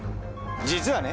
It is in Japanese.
実はね